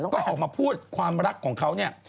ก็ออกมาพูดความรักของเขาเนี่ย